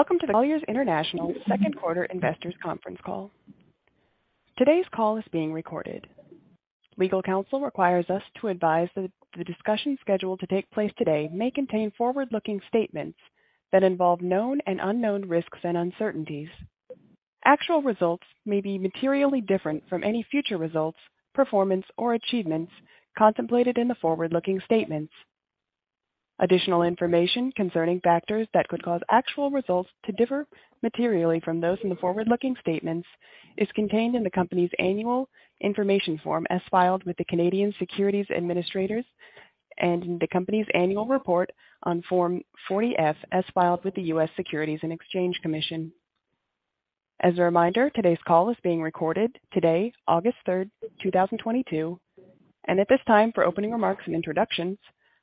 Welcome to the Colliers International second quarter investors conference call. Today's call is being recorded. Legal counsel requires us to advise that the discussion scheduled to take place today may contain forward-looking statements that involve known and unknown risks and uncertainties. Actual results may be materially different from any future results, performance, or achievements contemplated in the forward-looking statements. Additional information concerning factors that could cause actual results to differ materially from those in the forward-looking statements is contained in the company's annual information form, as filed with the Canadian Securities Administrators and in the company's annual report on Form 40-F as filed with the U.S. Securities and Exchange Commission. As a reminder, today's call is being recorded today, August 3, 2022. At this time, for opening remarks and introductions,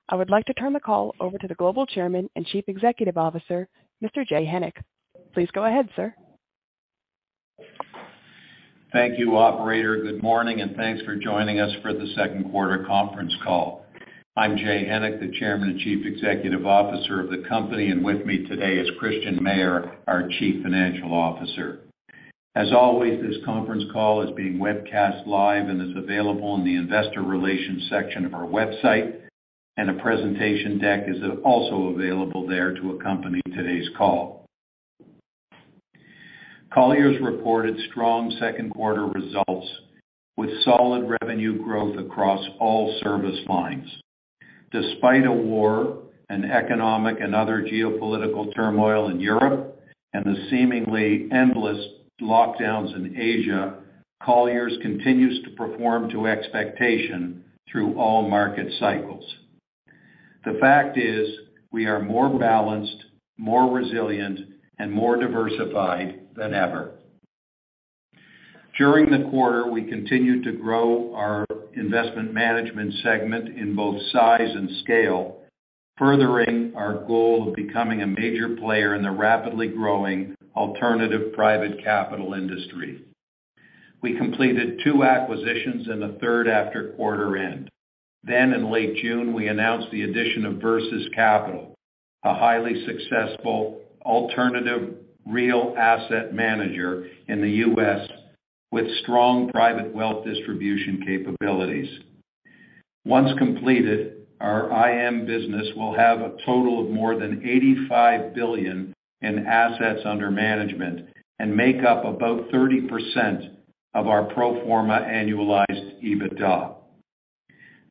I would like to turn the call over to the Global Chairman and Chief Executive Officer, Mr. Jay Hennick. Please go ahead, sir. Thank you, operator. Good morning, and thanks for joining us for the second quarter conference call. I'm Jay Hennick, the Chairman and Chief Executive Officer of the company. With me today is Christian Mayer, our Chief Financial Officer. As always, this conference call is being webcast live and is available in the investor relations section of our website. A presentation deck is also available there to accompany today's call. Colliers reported strong second quarter results with solid revenue growth across all service lines. Despite a war and economic and other geopolitical turmoil in Europe and the seemingly endless lockdowns in Asia, Colliers continues to perform to expectation through all market cycles. The fact is, we are more balanced, more resilient, and more diversified than ever. During the quarter, we continued to grow our investment management segment in both size and scale, furthering our goal of becoming a major player in the rapidly growing alternative private capital industry. We completed 2 acquisitions in the third quarter after quarter end. In late June, we announced the addition of Versus Capital, a highly successful alternative real asset manager in the U.S. with strong private wealth distribution capabilities. Once completed, our IM business will have a total of more than $85 billion in assets under management and make up about 30% of our pro forma annualized EBITDA.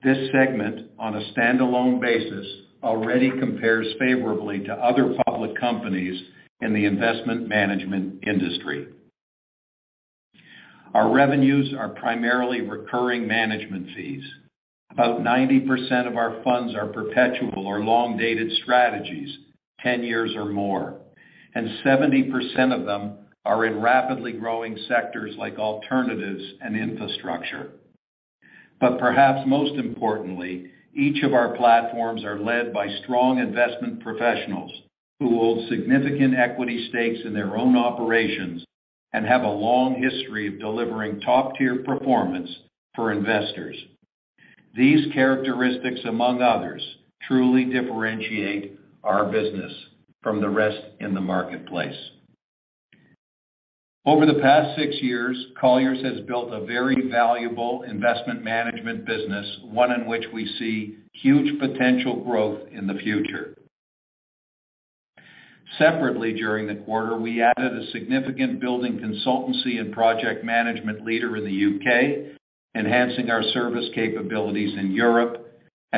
This segment, on a standalone basis, already compares favorably to other public companies in the investment management industry. Our revenues are primarily recurring management fees. About 90% of our funds are perpetual or long-dated strategies, 10 years or more, and 70% of them are in rapidly growing sectors like alternatives and infrastructure. Perhaps most importantly, each of our platforms are led by strong investment professionals who hold significant equity stakes in their own operations and have a long history of delivering top-tier performance for investors. These characteristics, among others, truly differentiate our business from the rest in the marketplace. Over the past 6 years, Colliers has built a very valuable investment management business, one in which we see huge potential growth in the future. Separately, during the quarter, we added a significant building consultancy and project management leader in the U.K, enhancing our service capabilities in Europe.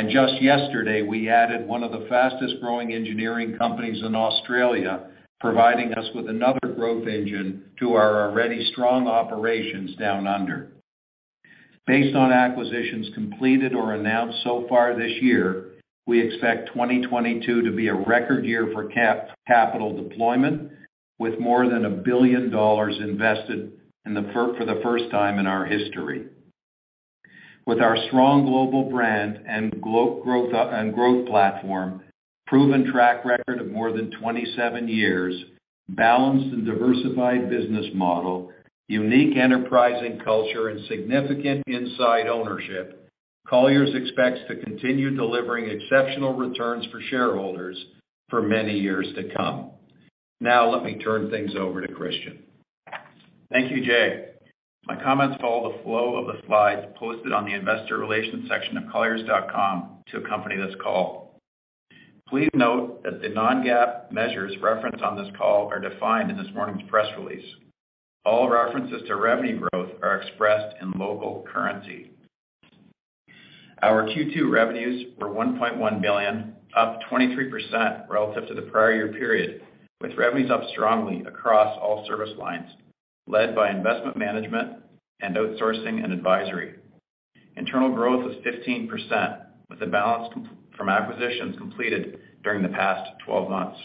Just yesterday, we added one of the fastest-growing engineering companies in Australia, providing us with another growth engine to our already strong operations down under. Based on acquisitions completed or announced so far this year, we expect 2022 to be a record year for capital deployment with more than $1 billion invested for the first time in our history. With our strong global brand and growth platform, proven track record of more than 27 years, balanced and diversified business model, unique enterprising culture, and significant inside ownership, Colliers expects to continue delivering exceptional returns for shareholders for many years to come. Now let me turn things over to Christian. Thank you, Jay. My comments follow the flow of the slides posted on the investor relations section of colliers.com to accompany this call. Please note that the non-GAAP measures referenced on this call are defined in this morning's press release. All references to revenue growth are expressed in local currency. Our Q2 revenues were $1.1 billion, up 23% relative to the prior year period, with revenues up strongly across all service lines, led by investment management and outsourcing and advisory. Internal growth was 15%, with a balance from acquisitions completed during the past twelve months.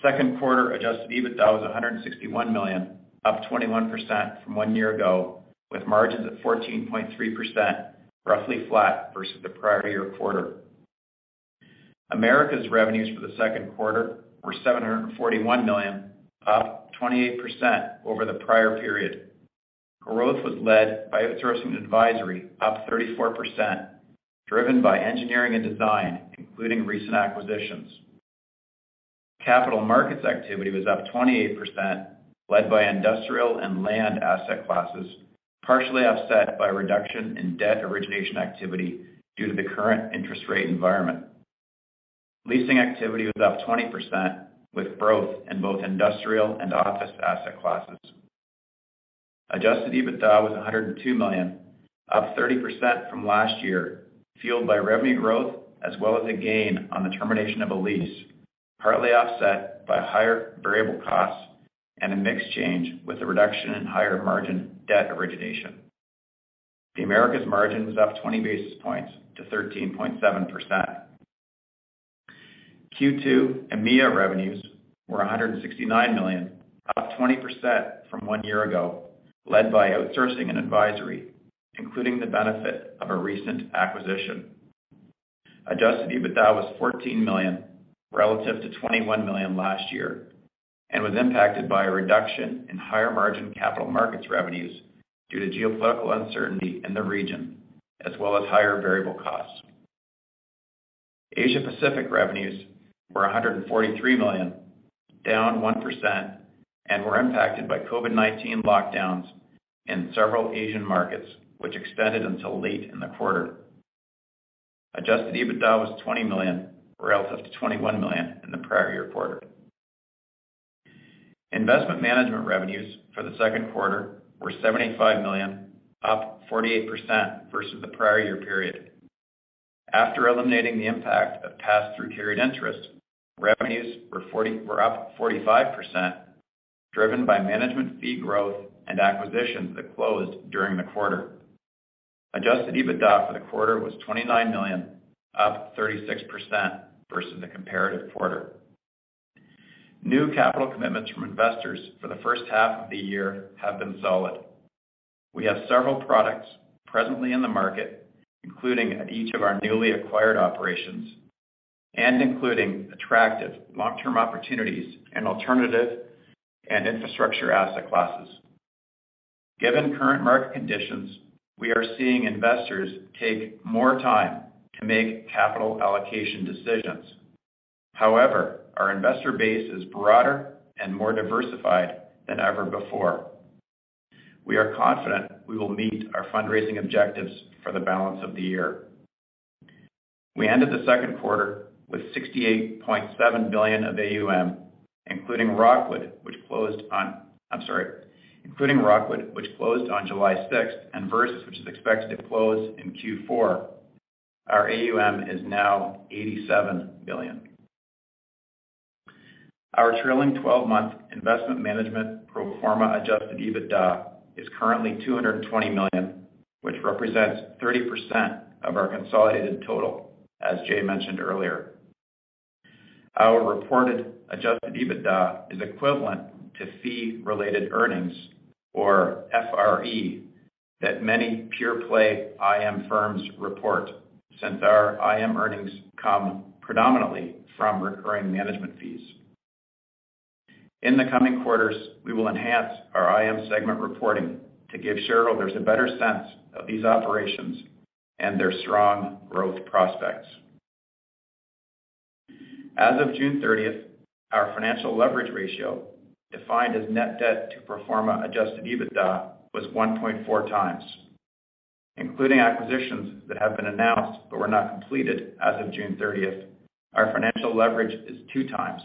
Second quarter adjusted EBITDA was $161 million, up 21% from one year ago, with margins at 14.3%, roughly flat versus the prior year quarter. Americas revenues for the second quarter were $741 million, up 28% over the prior period. Growth was led by outsourcing and advisory, up 34%, driven by Engineering and Design, including recent acquisitions. Capital markets activity was up 28%, led by industrial and land asset classes, partially offset by a reduction in debt origination activity due to the current interest rate environment. Leasing activity was up 20%, with growth in both industrial and office asset classes. Adjusted EBITDA was $102 million, up 30% from last year, fueled by revenue growth as well as a gain on the termination of a lease, partly offset by higher variable costs and a mix change with a reduction in higher margin debt origination. The Americas margin was up 20 basis points to 13.7%. Q2 EMEIA revenues were $169 million, up 20% from one year ago, led by outsourcing and advisory, including the benefit of a recent acquisition. Adjusted EBITDA was $14 million relative to $21 million last year and was impacted by a reduction in higher margin capital markets revenues due to geopolitical uncertainty in the region, as well as higher variable costs. Asia Pacific revenues were $143 million, down 1%, and were impacted by COVID-19 lockdowns in several Asian markets, which extended until late in the quarter. Adjusted EBITDA was $20 million, relative to $21 million in the prior year quarter. Investment management revenues for the second quarter were $75 million, up 48% versus the prior year period. After eliminating the impact of pass-through carried interest, revenues were up 45%, driven by management fee growth and acquisitions that closed during the quarter. Adjusted EBITDA for the quarter was $29 million, up 36% versus the comparative quarter. New capital commitments from investors for the first half of the year have been solid. We have several products presently in the market, including at each of our newly acquired operations and including attractive long-term opportunities in alternative and infrastructure asset classes. Given current market conditions, we are seeing investors take more time to make capital allocation decisions. However, our investor base is broader and more diversified than ever before. We are confident we will meet our fundraising objectives for the balance of the year. We ended the second quarter with $68.7 billion of AUM, including Rockwood, which closed on July 6, and Versus, which is expected to close in Q4. Our AUM is now $87 billion. Our trailing 12-month investment management pro forma adjusted EBITDA is currently $220 million, which represents 30% of our consolidated total, as Jay mentioned earlier. Our reported adjusted EBITDA is equivalent to Fee-Related Earnings, or FRE, that many pure play IM firms report since our IM earnings come predominantly from recurring management fees. In the coming quarters, we will enhance our IM segment reporting to give shareholders a better sense of these operations and their strong growth prospects. As of June 30, our financial leverage ratio, defined as net debt to pro forma adjusted EBITDA, was 1.4x, including acquisitions that have been announced but were not completed as of June 30. Our financial leverage is 2x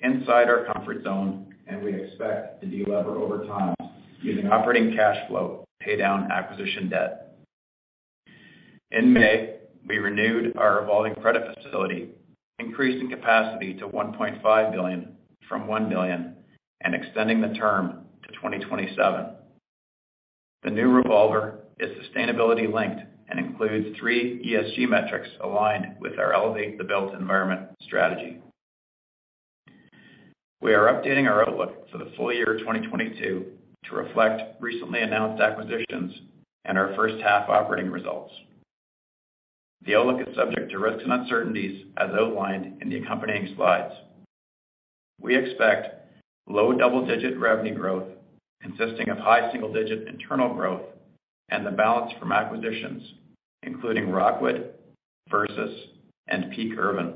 inside our comfort zone, and we expect to delever over time using operating cash flow to pay down acquisition debt. In May, we renewed our revolving credit facility, increasing capacity to $1.5 billion from $1 billion and extending the term to 2027. The new revolver is sustainability-linked and includes 3 ESG metrics aligned with our Elevate the Built Environment strategy. We are updating our outlook for the full year 2022 to reflect recently announced acquisitions and our first half operating results. The outlook is subject to risks and uncertainties as outlined in the accompanying slides. We expect low double-digit revenue growth consisting of high single-digit internal growth and the balance from acquisitions, including Rockwood Capital, Versus Capital, and Ethos Urban.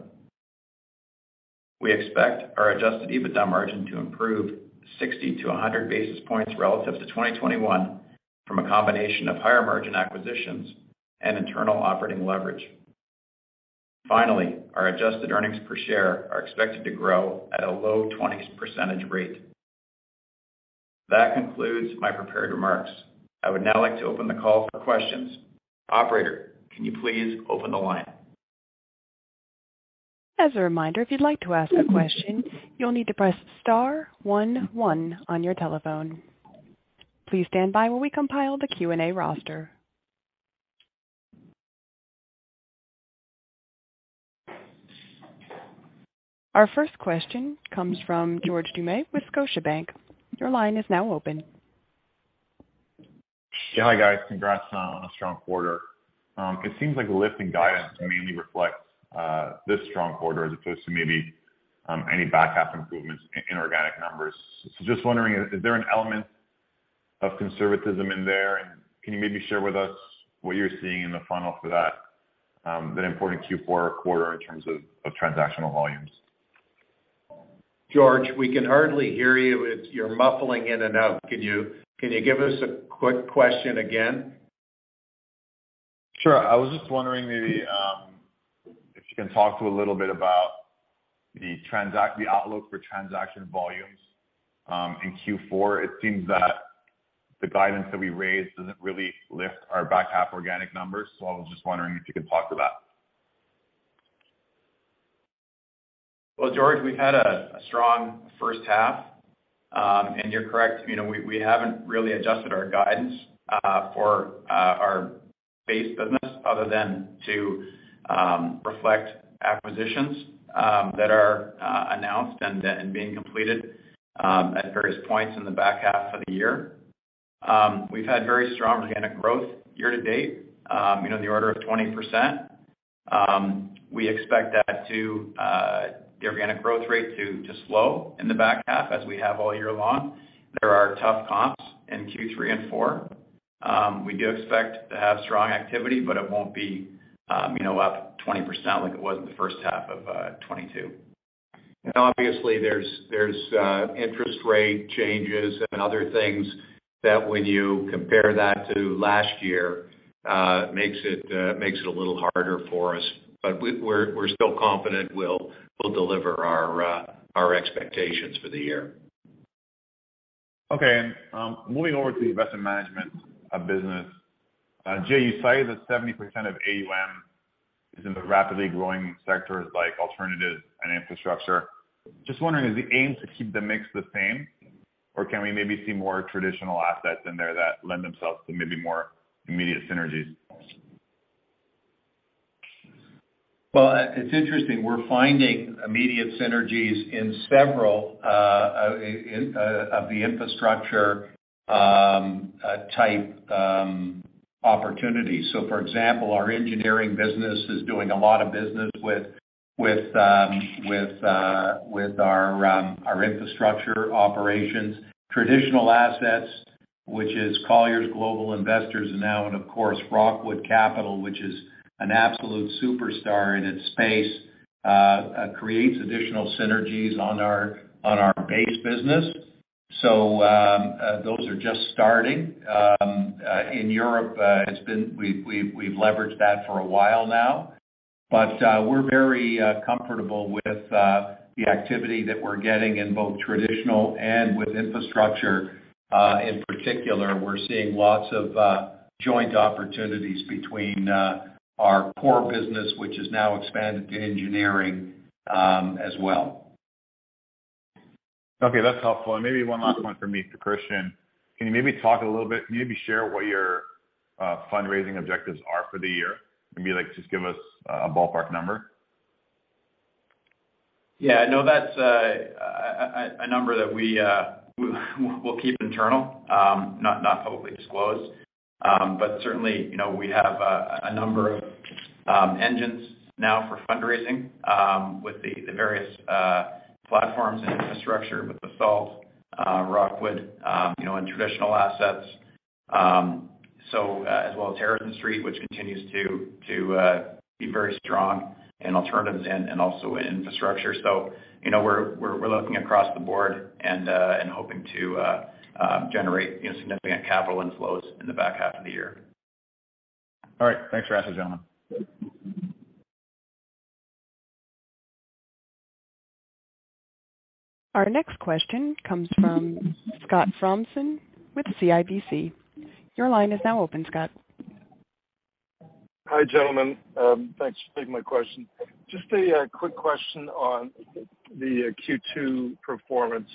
We expect our adjusted EBITDA margin to improve 60 basis points-100 basis points relative to 2021 from a combination of higher margin acquisitions and internal operating leverage. Finally, our adjusted earnings per share are expected to grow at a low 20% rate. That concludes my prepared remarks. I would now like to open the call for questions. Operator, can you please open the line? As a reminder, if you'd like to ask a question, you'll need to press star one one on your telephone. Please stand by while we compile the Q&A roster. Our first question comes from George Doumet with Scotiabank. Your line is now open. Yeah. Hi, guys. Congrats on a strong quarter. It seems like lifting guidance mainly reflects this strong quarter as opposed to maybe any back half improvements in organic numbers. Just wondering, is there an element of conservatism in there? Can you maybe share with us what you're seeing in the funnel for that important Q4 quarter in terms of transactional volumes? George, we can hardly hear you. You're muffling in and out. Can you give us a quick question again? Sure. I was just wondering maybe if you can talk to a little bit about the outlook for transaction volumes in Q4. It seems that the guidance that we raised doesn't really lift our back half organic numbers. I was just wondering if you could talk to that. Well, George, we had a strong first half. You're correct, you know, we haven't really adjusted our guidance for our base business other than to reflect acquisitions that are announced and being completed at various points in the back half of the year. We've had very strong organic growth year to date, you know, in the order of 20%. We expect the organic growth rate to slow in the back half as we have all year long. There are tough comps in Q3 and Q4. We do expect to have strong activity, but it won't be, you know, up 20% like it was in the first half of 2022. Obviously there's interest rate changes and other things that when you compare that to last year makes it a little harder for us. We're still confident we'll deliver our expectations for the year. Okay. Moving over to the investment management business. Jay, you say that 70% of AUM is in the rapidly growing sectors like alternative and infrastructure. Just wondering, is the aim to keep the mix the same, or can we maybe see more traditional assets in there that lend themselves to maybe more immediate synergies? Well, it's interesting. We're finding immediate synergies in several of the infrastructure type opportunities. For example, our engineering business is doing a lot of business with our infrastructure operations. Traditional assets, which is Colliers Global Investors now, and of course, Rockwood Capital, which is an absolute superstar in its space, creates additional synergies on our base business. Those are just starting. In Europe, we've leveraged that for a while now. We're very comfortable with the activity that we're getting in both traditional and with infrastructure. In particular, we're seeing lots of joint opportunities between our core business, which is now expanded to engineering, as well. Okay, that's helpful. Maybe one last one for me to Christian. Can you maybe talk a little bit, maybe share what your fundraising objectives are for the year? Maybe, like, just give us a ballpark number. Yeah. No, that's a number that we'll keep internal, not publicly disclosed. Certainly, you know, we have a number of engines now for fundraising with the various platforms and infrastructure with the Basalt, Rockwood, you know, and traditional assets. As well as Harrison Street, which continues to be very strong in alternatives and also in infrastructure. You know, we're looking across the board and hoping to generate significant capital inflows in the back half of the year. All right. Thanks for asking, gentlemen. Our next question comes from Scott Thompson with CIBC. Your line is now open, Scott. Hi, gentlemen. Thanks for taking my question. Just a quick question on the Q2 performance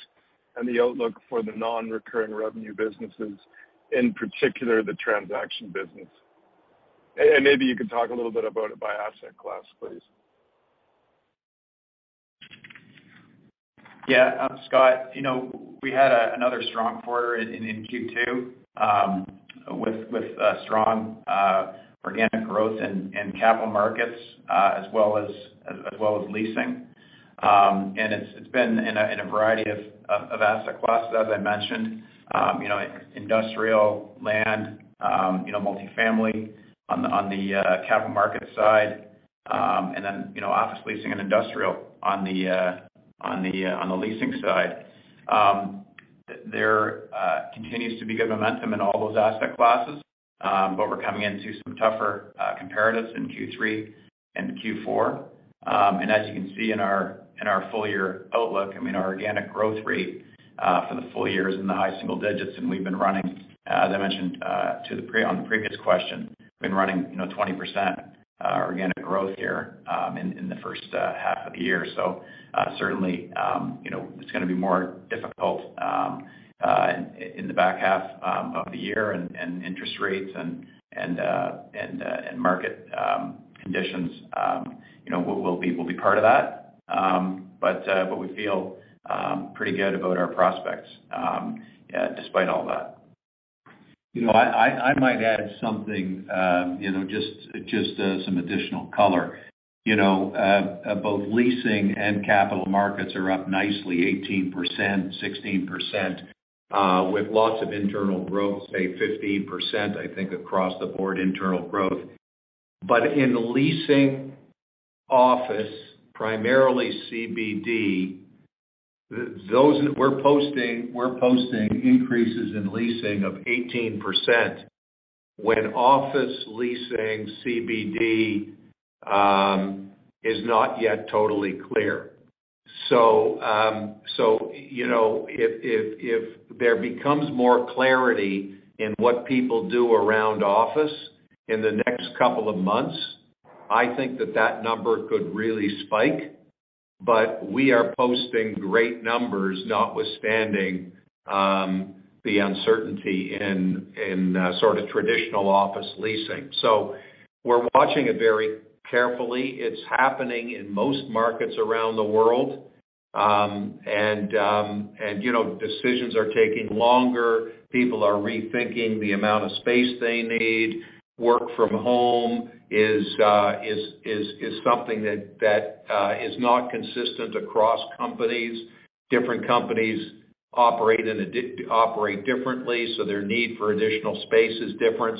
and the outlook for the non-recurring revenue businesses, in particular, the transaction business. Maybe you could talk a little bit about it by asset class, please. Yeah. Scott, you know, we had another strong quarter in Q2 with strong organic growth in capital markets as well as leasing. It's been in a variety of asset classes, as I mentioned. You know, industrial land, you know, multifamily on the capital market side, and then, you know, office leasing and industrial on the leasing side. There continues to be good momentum in all those asset classes, but we're coming into some tougher comparatives in Q3 and Q4. As you can see in our full year outlook, I mean, our organic growth rate for the full year is in the high single digits, and we've been running, as I mentioned, on the previous question, you know, 20% organic growth here in the first half of the year. Certainly, you know, it's gonna be more difficult in the back half of the year and interest rates and market conditions, you know, will be part of that. We feel pretty good about our prospects despite all that. You know, I might add something, you know, just some additional color. You know, both leasing and capital markets are up nicely 18%, 16%, with lots of internal growth, say 15%, I think, across the board, internal growth. But in the leasing office, primarily CBD, those we're posting increases in leasing of 18% when office leasing CBD is not yet totally clear. So, you know, if there becomes more clarity in what people do around office in the next couple of months, I think that number could really spike. But we are posting great numbers, notwithstanding, the uncertainty in sort of traditional office leasing. We're watching it very carefully. It's happening in most markets around the world. You know, decisions are taking longer. People are rethinking the amount of space they need. Work from home is something that is not consistent across companies. Different companies operate differently, so their need for additional space is different.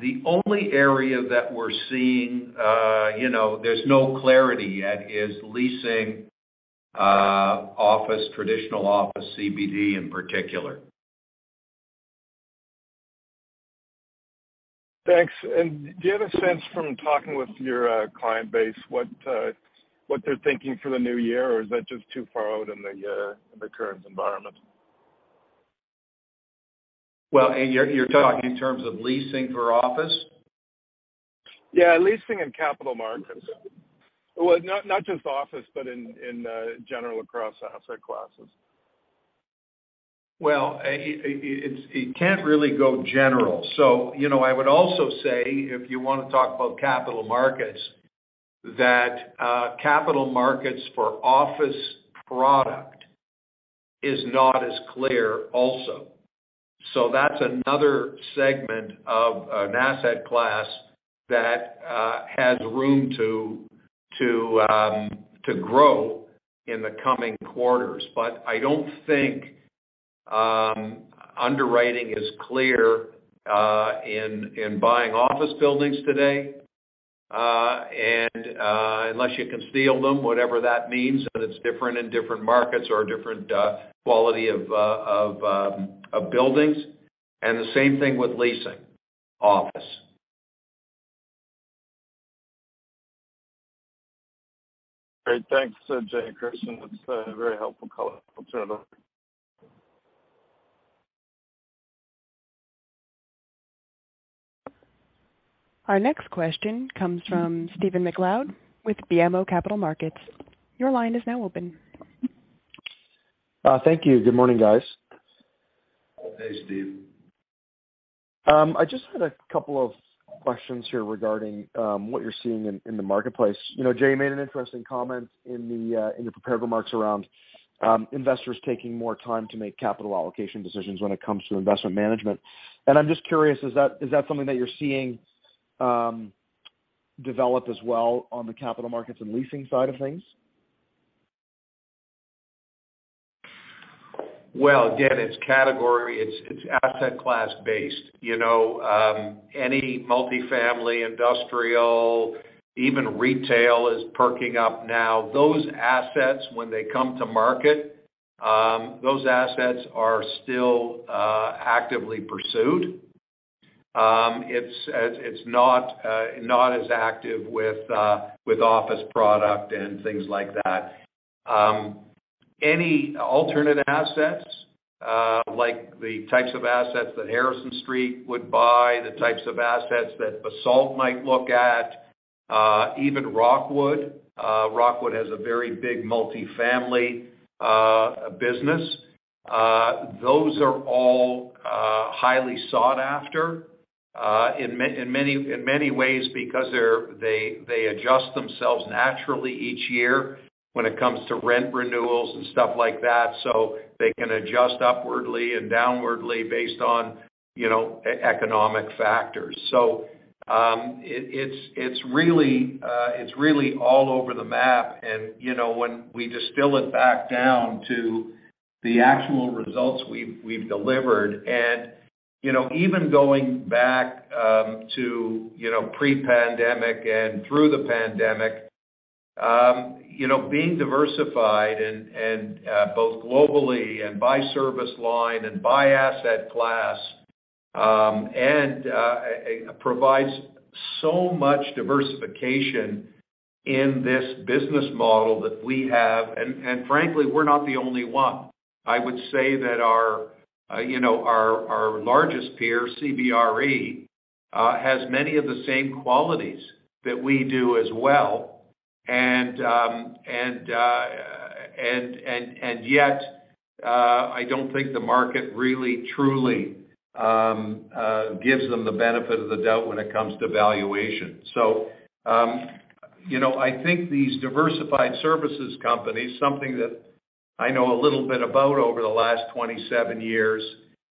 The only area that we're seeing, you know, there's no clarity yet is leasing, office, traditional office, CBD in particular. Thanks. Do you have a sense from talking with your client base, what they're thinking for the new year? Or is that just too far out in the current environment? Well, you're talking in terms of leasing for office? Yeah, leasing and capital markets. Well, not just office, but in general across asset classes. Well, it can't really go general. You know, I would also say if you wanna talk about capital markets, capital markets for office product is not as clear also. That's another segment of an asset class that has room to grow in the coming quarters. I don't think underwriting is clear in buying office buildings today, and unless you can steal them, whatever that means, and it's different in different markets or different quality of buildings. The same thing with leasing office. Great. Thanks, Jay and Christian. That's a very helpful color alternative. Our next question comes from Stephen MacLeod with BMO Capital Markets. Your line is now open. Thank you. Good morning, guys. Good day, Steve. I just had a couple of questions here regarding what you're seeing in the marketplace. You know, Jay, you made an interesting comment in your prepared remarks around investors taking more time to make capital allocation decisions when it comes to investment management. I'm just curious, is that something that you're seeing develop as well on the capital markets and leasing side of things? Well, again, it's category, it's asset class-based. You know, any multifamily, industrial, even retail is perking up now. Those assets, when they come to market, those assets are still actively pursued. It's not as active with office product and things like that. Any alternate assets, like the types of assets that Harrison Street would buy, the types of assets that Basalt might look at, even Rockwood. Rockwood has a very big multifamily business. Those are all highly sought after in many ways because they're they adjust themselves naturally each year when it comes to rent renewals and stuff like that, so they can adjust upwardly and downwardly based on, you know, economic factors. It's really all over the map. You know, when we distill it back down to the actual results we've delivered and, you know, even going back to, you know, pre-pandemic and through the pandemic, you know, being diversified and both globally and by service line and by asset class, and provides so much diversification in this business model that we have. Frankly, we're not the only one. I would say that our, you know, our largest peer, CBRE, has many of the same qualities that we do as well. Yet, I don't think the market really truly gives them the benefit of the doubt when it comes to valuation. You know, I think these diversified services companies, something that I know a little bit about over the last 27 years,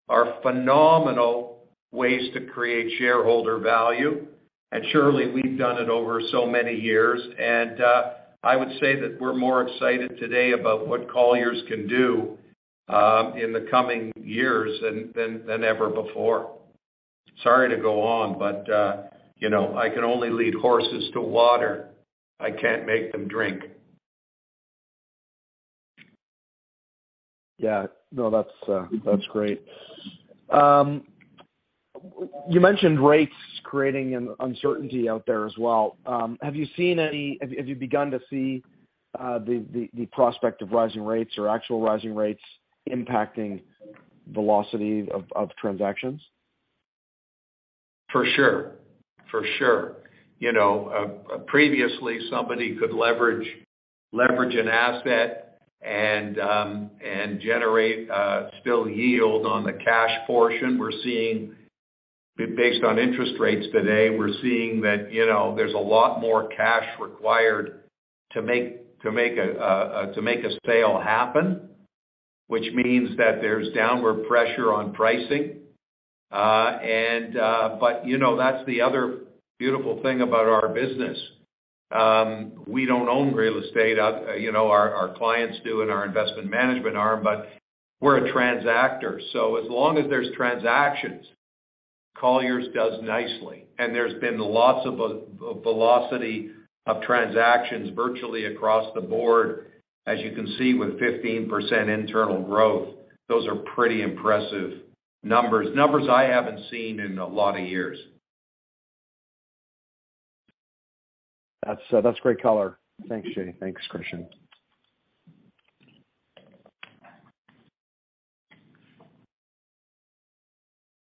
are phenomenal ways to create shareholder value. Surely we've done it over so many years. I would say that we're more excited today about what Colliers can do in the coming years than ever before. Sorry to go on, but you know, I can only lead horses to water. I can't make them drink. Yeah. No, that's great. You mentioned rates creating an uncertainty out there as well. Have you begun to see the prospect of rising rates or actual rising rates impacting velocity of transactions? For sure. You know, previously somebody could leverage an asset and generate still yield on the cash portion. We're seeing, based on interest rates today, we're seeing that, you know, there's a lot more cash required to make a sale happen, which means that there's downward pressure on pricing. You know, that's the other beautiful thing about our business. We don't own real estate, you know, our clients do and our investment management arm, but we're a transactor. As long as there's transactions, Colliers does nicely. There's been lots of velocity of transactions virtually across the board. As you can see, with 15% internal growth, those are pretty impressive numbers. Numbers I haven't seen in a lot of years. That's great color. Thanks, Jay. Thanks, Christian.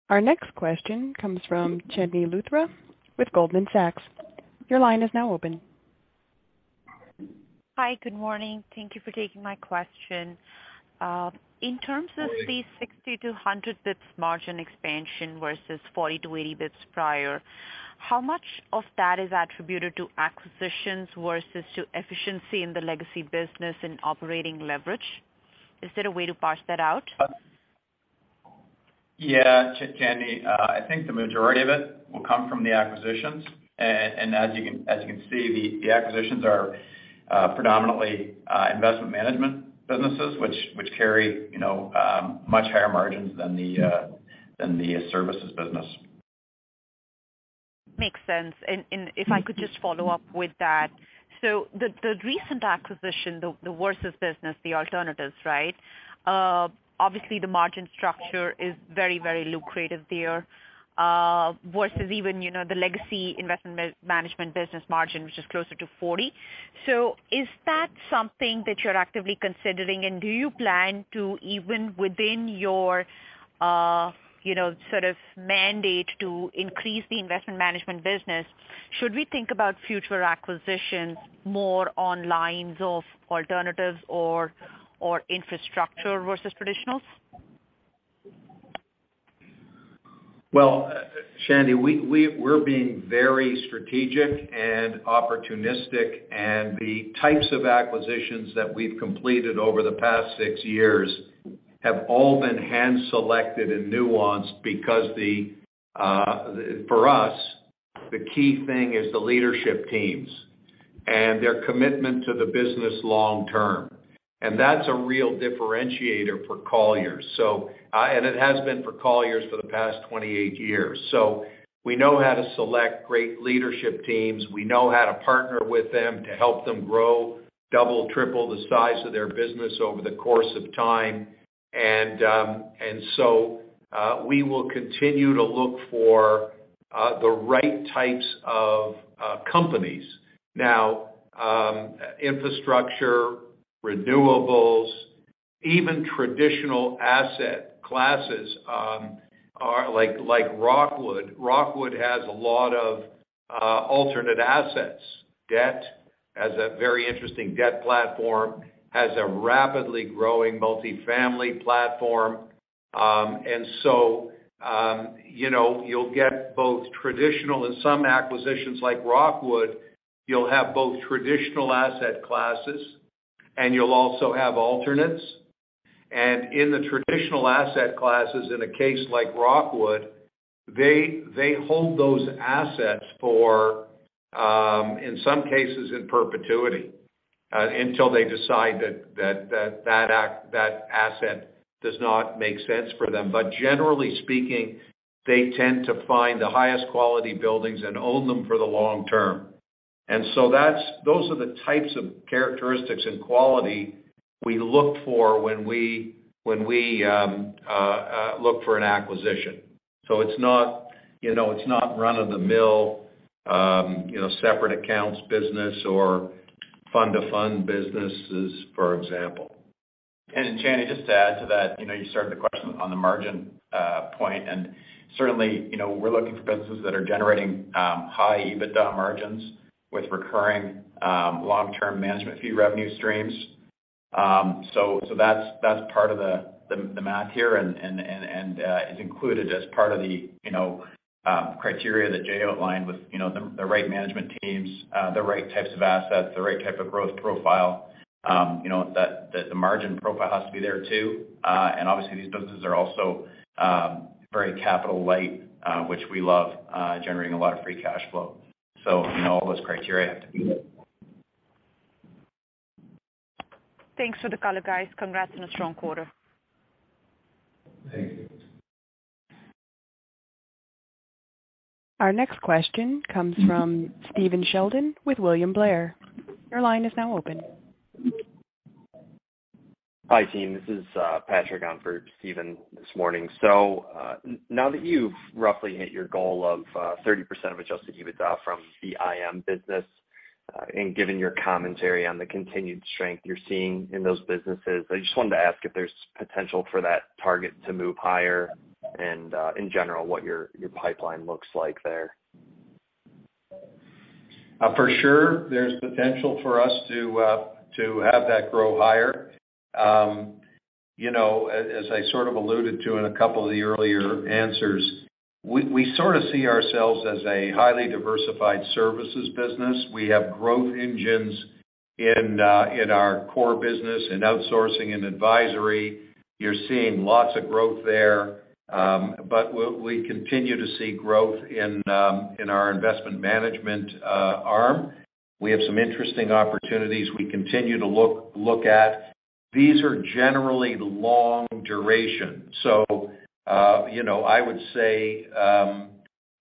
Our next question comes from Chandni Luthra with Goldman Sachs. Your line is now open. Hi. Good morning. Thank you for taking my question. In terms of Good morning. The 60-100 basis points margin expansion versus 40 basis points-80 basis points prior, how much of that is attributed to acquisitions versus to efficiency in the legacy business and operating leverage? Is there a way to parse that out? Yeah, Chandni, I think the majority of it will come from the acquisitions. As you can see, the acquisitions are predominantly investment management businesses, which carry you know much higher margins than the services business. Makes sense. If I could just follow up with that. The recent acquisition, the Versus business, the alternatives, right? Obviously the margin structure is very lucrative there versus even the legacy investment management business margin, which is closer to 40%. Is that something that you're actively considering? Do you plan to even within your sort of mandate to increase the investment management business? Should we think about future acquisitions more along the lines of alternatives or infrastructure versus traditionals? Well, Chandni, we're being very strategic and opportunistic, and the types of acquisitions that we've completed over the past 6 years have all been hand selected and nuanced because for us, the key thing is the leadership teams and their commitment to the business long term. That's a real differentiator for Colliers. It has been for Colliers for the past 28 years. We know how to select great leadership teams. We know how to partner with them to help them grow, double, triple the size of their business over the course of time. We will continue to look for the right types of companies. Now, infrastructure, renewables, even traditional asset classes are like Rockwood. Rockwood has a lot of alternative assets. Debt has a very interesting debt platform. Has a rapidly growing multifamily platform. You know, you'll get both traditional and some acquisitions like Rockwood. You'll have both traditional asset classes, and you'll also have alternates. In the traditional asset classes, in a case like Rockwood, they hold those assets for, in some cases in perpetuity, until they decide that asset does not make sense for them. But generally speaking, they tend to find the highest quality buildings and own them for the long term. Those are the types of characteristics and quality we look for when we look for an acquisition. It's not, you know, it's not run-of-the-mill, you know, separate accounts business or fund-to-fund businesses, for example. Chandni, just to add to that, you know, you started the question on the margin point, and certainly, you know, we're looking for businesses that are generating high EBITDA margins with recurring long-term management fee revenue streams. That's part of the math here and is included as part of the criteria that Jay outlined with the right management teams, the right types of assets, the right type of growth profile. You know, the margin profile has to be there too. Obviously, these businesses are also very capital light, which we love, generating a lot of free cash flow. You know, all those criteria have to be there. Thanks for the color, guys. Congrats on a strong quarter. Thank you. Our next question comes from Stephen Sheldon with William Blair. Your line is now open. Hi, team. This is Patrick on for Stephen this morning. Now that you've roughly hit your goal of 30% of adjusted EBITDA from the IM business, and given your commentary on the continued strength you're seeing in those businesses, I just wanted to ask if there's potential for that target to move higher and, in general, what your pipeline looks like there. For sure, there's potential for us to have that grow higher. You know, as I sort of alluded to in a couple of the earlier answers, we sort of see ourselves as a highly diversified services business. We have growth engines in our core business, in outsourcing and advisory. You're seeing lots of growth there. We continue to see growth in our investment management arm. We have some interesting opportunities we continue to look at. These are generally long duration. You know, I would say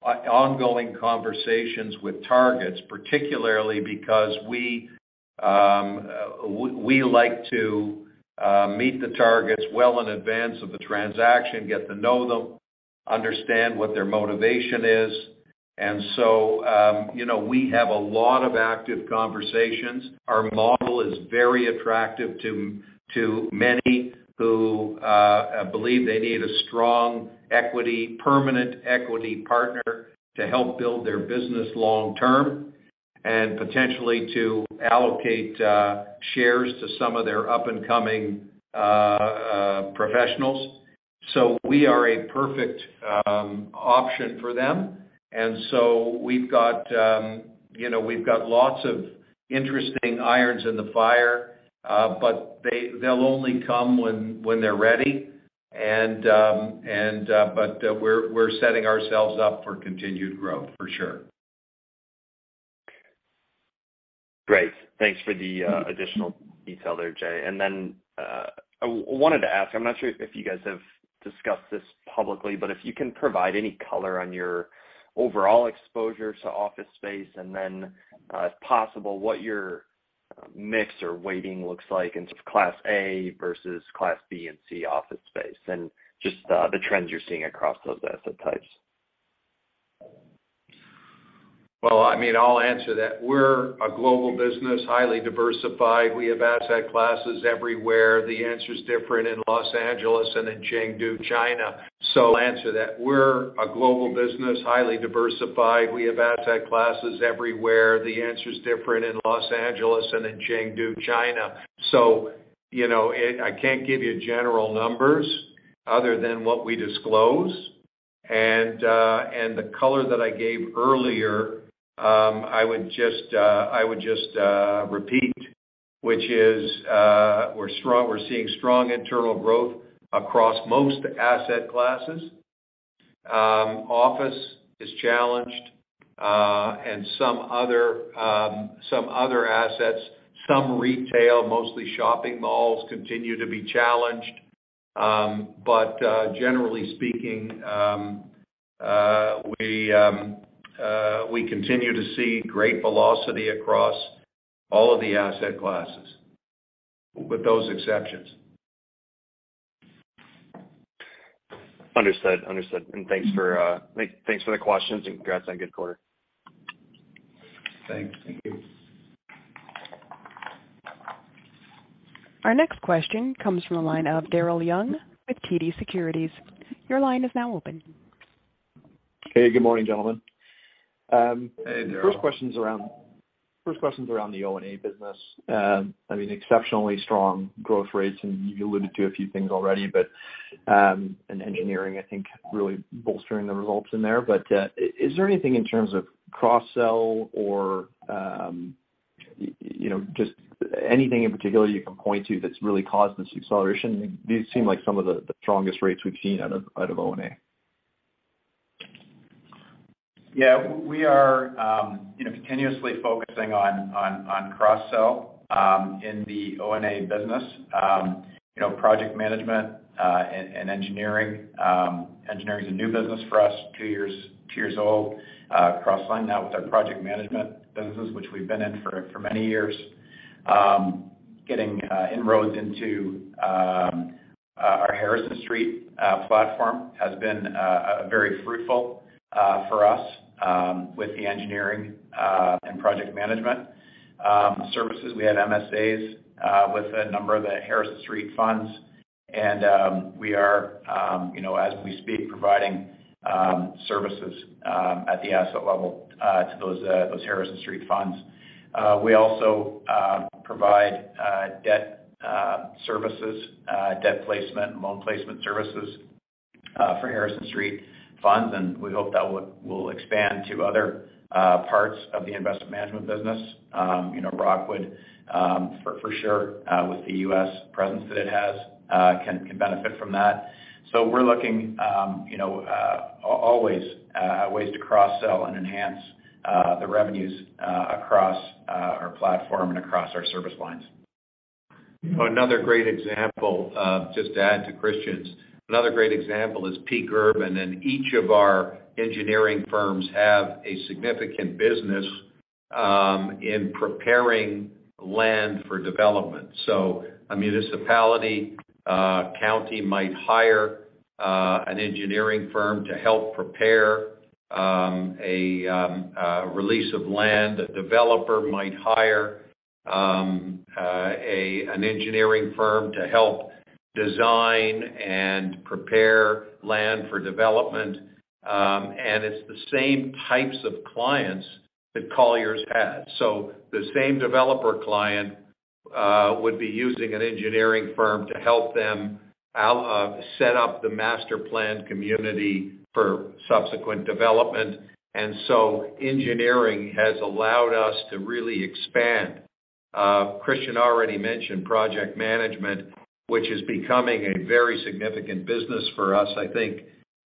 ongoing conversations with targets, particularly because we like to meet the targets well in advance of the transaction, get to know them, understand what their motivation is. You know, we have a lot of active conversations. Our model is very attractive to many who believe they need a strong equity, permanent equity partner to help build their business long term, and potentially to allocate shares to some of their up-and-coming professionals. We are a perfect option for them. We've got lots of interesting irons in the fire, but they'll only come when they're ready. We're setting ourselves up for continued growth, for sure. Great. Thanks for the additional detail there, Jay. I wanted to ask, I'm not sure if you guys have discussed this publicly, but if you can provide any color on your overall exposure to office space and then, if possible, what your mix or weighting looks like in terms of Class A versus Class B and C office space, and just the trends you're seeing across those asset types. Well, I mean, I'll answer that. We're a global business, highly diversified. We have asset classes everywhere. The answer's different in Los Angeles and in Chengdu, China. You know, I can't give you general numbers other than what we disclose. The color that I gave earlier, I would just repeat, which is, we're strong. We're seeing strong internal growth across most asset classes. Office is challenged, and some other assets, some retail, mostly shopping malls, continue to be challenged. Generally speaking, we continue to see great velocity across all of the asset classes with those exceptions. Understood. Thanks for the questions, and congrats on a good quarter. Thanks. Thank you. Our next question comes from the line of Daryl Young with TD Securities. Your line is now open. Hey, good morning, gentlemen. Hey, Daryl. First question's around the O&A business. I mean, exceptionally strong growth rates, and you alluded to a few things already, but, and engineering, I think, really bolstering the results in there. Is there anything in terms of cross-sell or, you know, just anything in particular you can point to that's really caused this acceleration? These seem like some of the strongest rates we've seen out of O&A? Yeah. We are, you know, continuously focusing on cross-sell in the O&A business. You know, project management and engineering. Engineering is a new business for us, two years old. Cross-selling that with our project management business, which we've been in for many years. Getting inroads into Harrison Street platform has been very fruitful for us with the engineering and project management services. We had MSAs with a number of the Harrison Street funds, and we are, you know, as we speak, providing services at the asset level to those Harrison Street funds. We also provide debt services, debt placement and loan placement services for Harrison Street funds, and we hope that will expand to other parts of the investment management business. You know, Rockwood, for sure, with the U.S. presence that it has, can benefit from that. We're looking, you know, always at ways to cross-sell and enhance the revenues across our platform and across our service lines. Another great example, just to add to Christian's. Another great example is PEAKURBAN, and each of our engineering firms have a significant business in preparing land for development. A municipality, county might hire an engineering firm to help prepare a release of land. A developer might hire an engineering firm to help design and prepare land for development. It's the same types of clients that Colliers has. The same developer client would be using an engineering firm to help them out set up the master plan community for subsequent development. Engineering has allowed us to really expand. Christian already mentioned project management, which is becoming a very significant business for us. I think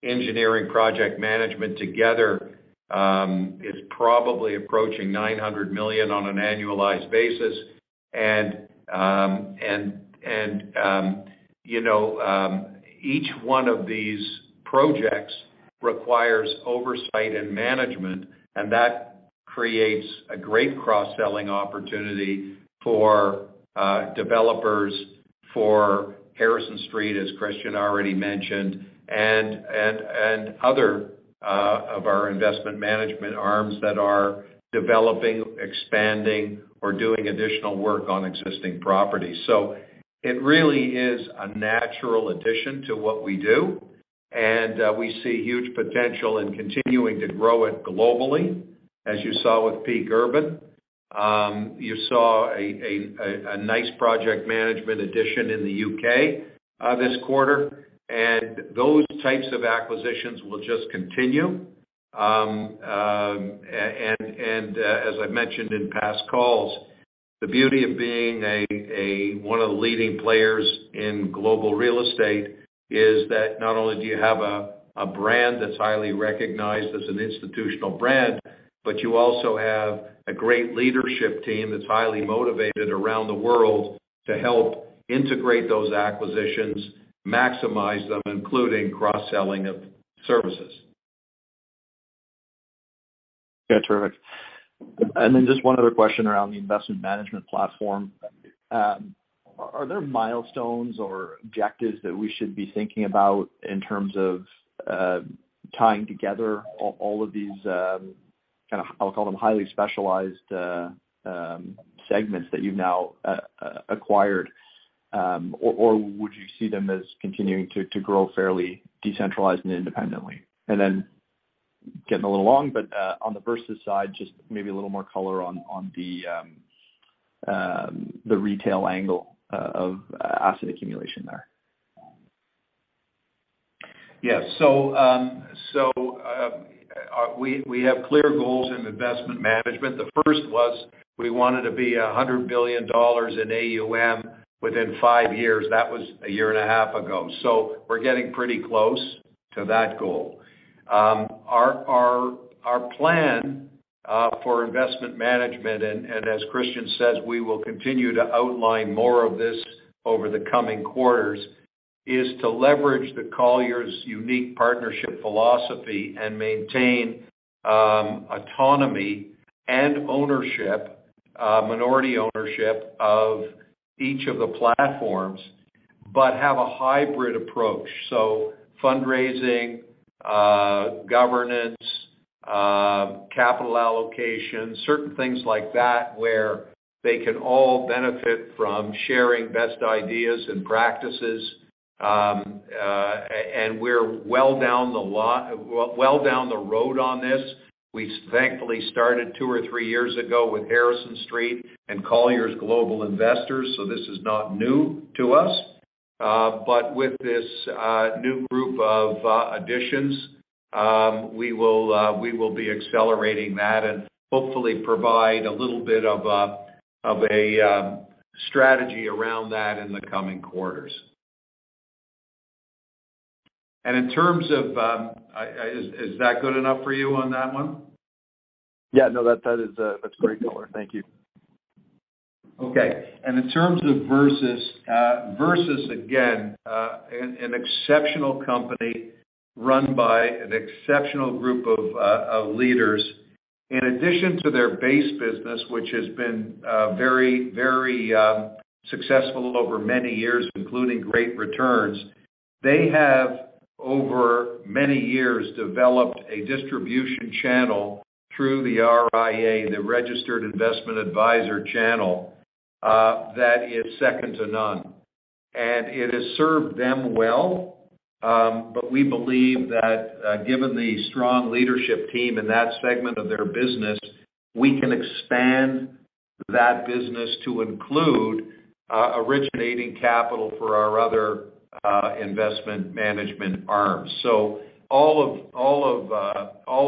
engineering project management together is probably approaching $900 million on an annualized basis. You know, each one of these projects requires oversight and management, and that creates a great cross-selling opportunity for developers, for Harrison Street, as Christian already mentioned, and other of our investment management arms that are developing, expanding, or doing additional work on existing properties. It really is a natural addition to what we do, and we see huge potential in continuing to grow it globally, as you saw with PEAKURBAN. You saw a nice project management addition in the U.K, this quarter, and those types of acquisitions will just continue. As I've mentioned in past calls, the beauty of being one of the leading players in global real estate is that not only do you have a brand that's highly recognized as an institutional brand, but you also have a great leadership team that's highly motivated around the world to help integrate those acquisitions, maximize them, including cross-selling of services. Yeah, terrific. Just one other question around the investment management platform. Are there milestones or objectives that we should be thinking about in terms of tying together all of these kinda, I'll call them highly specialized segments that you've now acquired? Would you see them as continuing to grow fairly decentralized and independently? Getting a little long, but on the Versus side, just maybe a little more color on the retail angle of asset accumulation there? We have clear goals in investment management. The first was we wanted to be $100 billion in AUM within 5 years. That was a year and a half ago. We're getting pretty close to that goal. Our plan for investment management, as Christian says, we will continue to outline more of this over the coming quarters, is to leverage the Colliers' unique partnership philosophy and maintain autonomy and ownership, minority ownership of each of the platforms, but have a hybrid approach. Fundraising, governance, capital allocation, certain things like that, where they can all benefit from sharing best ideas and practices. We're well down the road on this. We thankfully started two or three years ago with Harrison Street and Colliers Global Investors, so this is not new to us. But with this new group of additions, we will be accelerating that and hopefully provide a little bit of a strategy around that in the coming quarters. Is that good enough for you on that one? Yeah, no, that is that's great color. Thank you. Okay. In terms of Versus. Versus, again, an exceptional company run by an exceptional group of leaders. In addition to their base business, which has been very successful over many years, including great returns, they have, over many years, developed a distribution channel through the RIA, the Registered Investment Advisor channel, that is second to none. It has served them well. We believe that, given the strong leadership team in that segment of their business, we can expand that business to include originating capital for our other investment management arms. All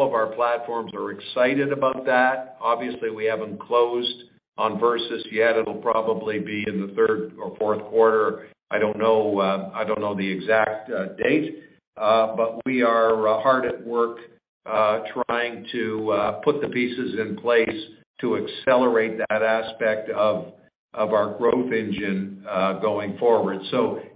of our platforms are excited about that. Obviously, we haven't closed on Versus yet. It'll probably be in the third or fourth quarter. I don't know the exact date. We are hard at work trying to put the pieces in place to accelerate that aspect of our growth engine going forward.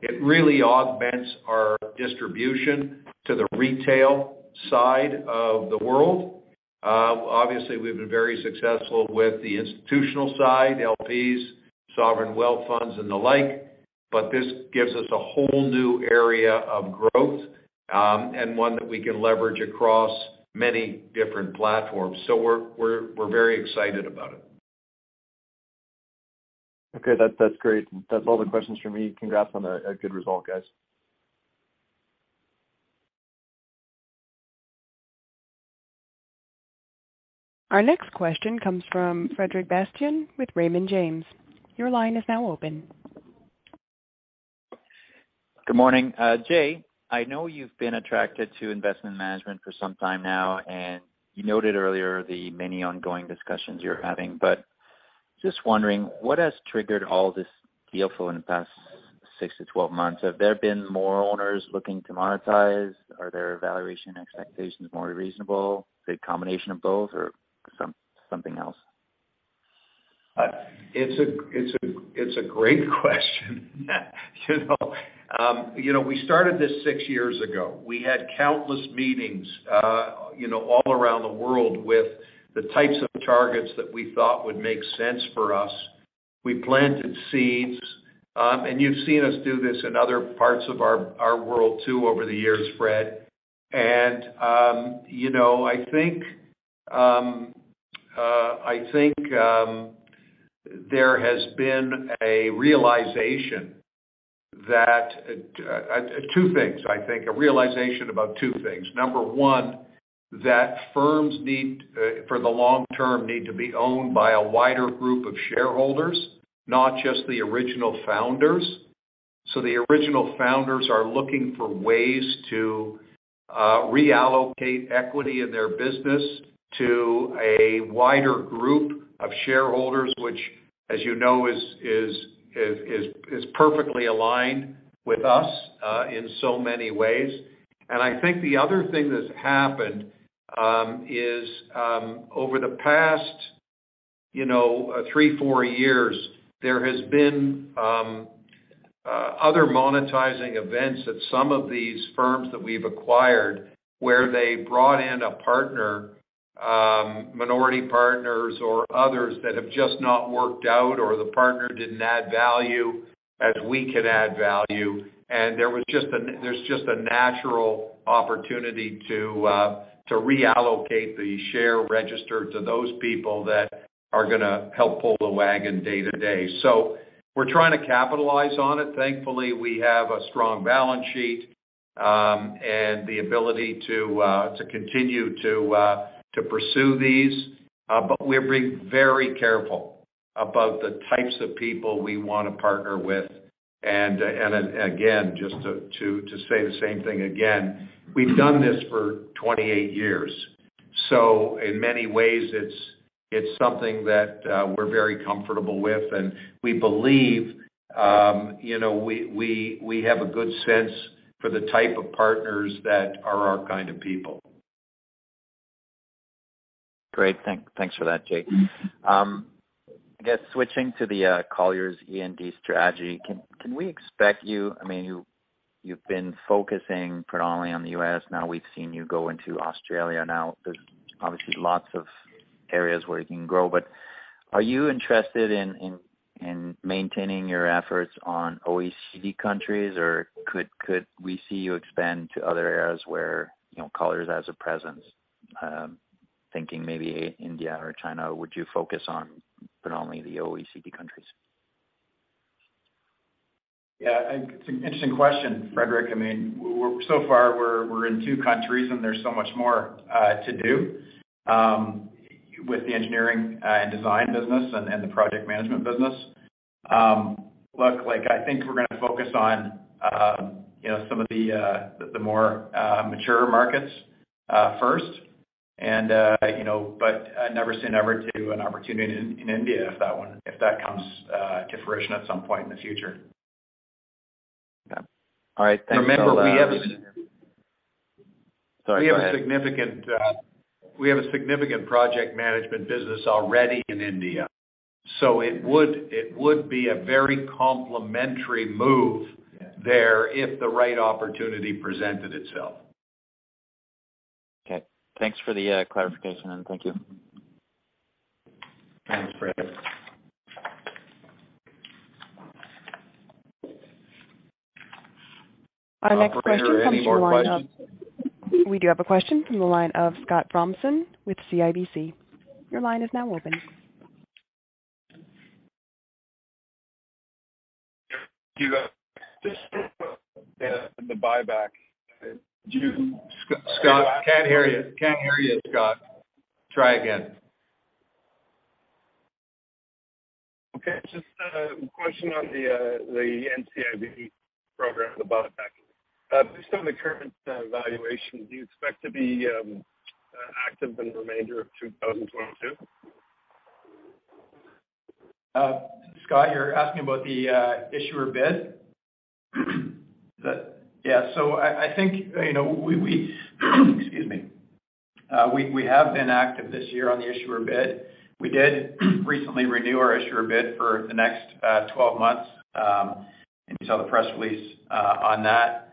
It really augments our distribution to the retail side of the world. Obviously, we've been very successful with the institutional side, LPs, sovereign wealth funds and the like, but this gives us a whole new area of growth, and one that we can leverage across many different platforms. We're very excited about it. Okay. That's great. That's all the questions from me. Congrats on a good result, guys. Our next question comes from Frederic Bastien with Raymond James. Your line is now open. Good morning. Jay, I know you've been attracted to investment management for some time now, and you noted earlier the many ongoing discussions you're having. Just wondering, what has triggered all this deal flow in the past 6 months-12 months? Have there been more owners looking to monetize? Are their valuation expectations more reasonable? Is it a combination of both or something else? It's a great question. You know, we started this six years ago. We had countless meetings, you know, all around the world with the types of targets that we thought would make sense for us. We planted seeds, and you've seen us do this in other parts of our world too, over the years, Frederic. You know, I think there has been a realization that two things, I think, a realization about two things. Number one, that firms need, for the long term, to be owned by a wider group of shareholders, not just the original founders. The original founders are looking for ways to reallocate equity in their business to a wider group of shareholders, which, as you know, is perfectly aligned with us in so many ways. I think the other thing that's happened is over the past, you know, 3 years-4 years, there has been other monetizing events at some of these firms that we've acquired, where they brought in a partner, minority partners or others that have just not worked out, or the partner didn't add value as we can add value. There's just a natural opportunity to reallocate the share registered to those people that are gonna help pull the wagon day to day. We're trying to capitalize on it. Thankfully, we have a strong balance sheet, and the ability to continue to pursue these. We're being very careful about the types of people we wanna partner with. Again, just to say the same thing again, we've done this for 28 years, so in many ways it's something that we're very comfortable with. We believe, you know, we have a good sense for the type of partners that are our kind of people. Great. Thanks for that, Jay. I guess switching to the Colliers E&D strategy, can we expect you—I mean, you've been focusing predominantly on the U.S, now we've seen you go into Australia. Now, there's obviously lots of areas where you can grow, but are you interested in maintaining your efforts on OECD countries, or could we see you expand to other areas where, you know, Colliers has a presence? Thinking maybe India or China, would you focus on predominantly the OECD countries? Yeah, it's an interesting question, Frederic. I mean, so far we're in two countries, and there's so much more to do with the engineering and design business and the project management business. Look, like I think we're gonna focus on, you know, some of the more mature markets first. You know, but I never say never to an opportunity in India if that comes to fruition at some point in the future. Okay. All right. Thanks so much. Remember, we have. Sorry, go ahead. We have a significant project management business already in India. It would be a very complementary move there if the right opportunity presented itself. Okay. Thanks for the clarification, and thank you. Thanks, Fred. Our next question comes from the line of. Operator, are there any more questions? We do have a question from the line of Scott Thompson with CIBC. Your line is now open. Do you just the buyback? Scott, can't hear you. Can't hear you, Scott. Try again. Okay. Just a question on the NCIB program, the buyback. Based on the current valuation, do you expect to be active in the remainder of 2022? Scott, you're asking about the issuer bid? I think, you know, we have been active this year on the issuer bid. We did recently renew our issuer bid for the next 12 months. You saw the press release on that.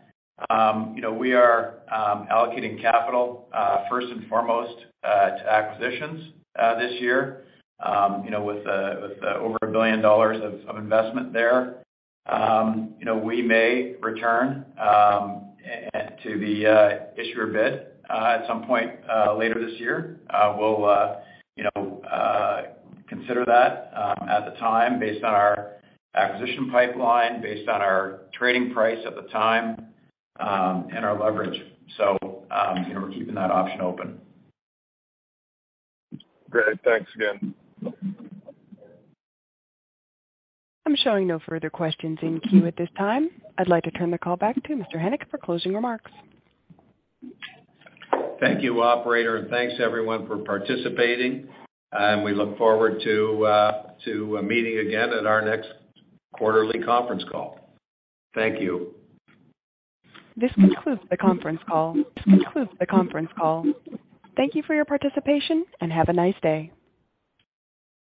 You know, we are allocating capital first and foremost to acquisitions this year, you know, with over $1 billion of investment there. You know, we may return to the issuer bid at some point later this year. We'll, you know, consider that at the time based on our acquisition pipeline, based on our trading price at the time, and our leverage. You know, we're keeping that option open. Great. Thanks again. I'm showing no further questions in queue at this time. I'd like to turn the call back to Mr. Hennick for closing remarks. Thank you, operator, and thanks everyone for participating. We look forward to meeting again at our next quarterly conference call. Thank you. This concludes the conference call. Thank you for your participation, and have a nice day.